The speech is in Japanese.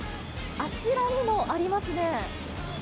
あちらにもありますね。